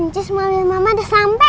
encik mobil mama udah sampe